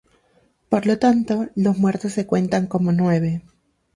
Por lo tanto, los muertos se cuentan como nueve.